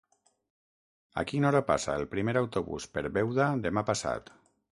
A quina hora passa el primer autobús per Beuda demà passat?